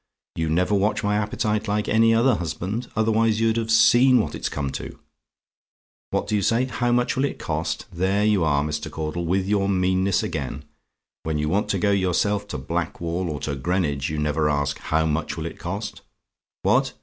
You never watch my appetite like any other husband, otherwise you'd have seen what it's come to. "What do you say? "HOW MUCH WILL IT COST? "There you are, Mr. Caudle, with your meanness again. When you want to go yourself to Blackwall or to Greenwich you never ask, how much will it cost? What?